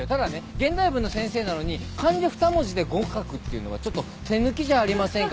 現代文の先生なのに漢字ふた文字で５画っていうのがちょっと手抜きじゃありませんか？